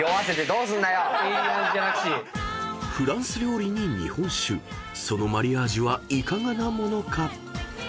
［フランス料理に日本酒そのマリアージュはいかがなものか］